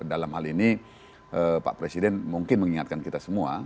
dalam hal ini pak presiden mungkin mengingatkan kita semua